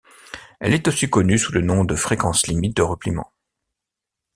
Elle est aussi connue sous le nom de fréquence limite de repliement.